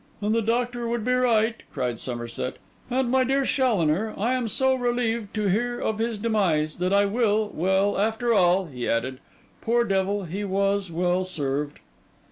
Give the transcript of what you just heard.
'And the doctor would be right,' cried Somerset; 'and my dear Challoner, I am so relieved to hear of his demise, that I will—Well, after all,' he added, 'poor devil, he was well served.